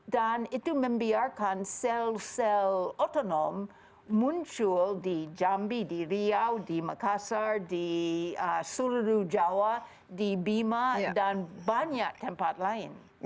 dan itu membiarkan sel sel otonom muncul di jambi di riau di makassar di seluruh jawa di bima dan banyak tempat lain